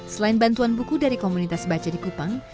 selain bantuan buku dari komunitas baca di kupang